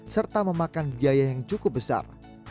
serta memakan biaya yang cukup besar